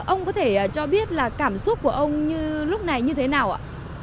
ông có thể cho biết là cảm xúc của ông như lúc này như thế nào ạ